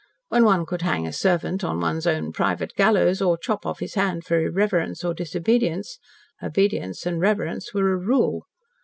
When one could hang a servant on one's own private gallows, or chop off his hand for irreverence or disobedience obedience and reverence were a rule.